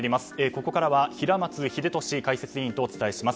ここからは平松秀敏解説委員とお伝えします。